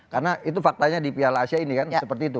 karena itu faktanya di piala asia ini kan seperti itu